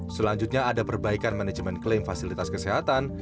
selanjutnya ada perbaikan manajemen klaim fasilitas kesehatan